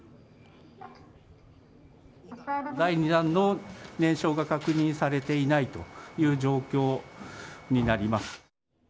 第２段の燃焼が確認されていないという状況になります。